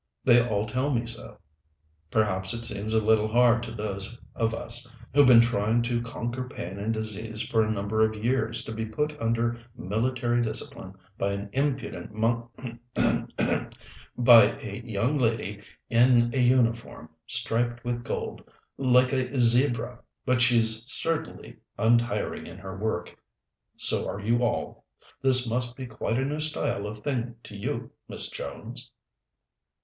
They all tell me so. Perhaps it seems a little hard to those of us who've been trying to conquer pain and disease for a number of years to be put under military discipline by an impudent monk H'm, h'm, h'm! by a young lady in a uniform striped with gold like a zebra! But she's certainly untiring in her work; so are you all. This must be quite a new style of thing to you, Miss Jones?"